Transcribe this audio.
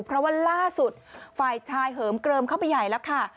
เพราะว่าล่าสุดฝ่ายชายเหิมเกลิมเข้าไปใหญ่แล้วค่ะ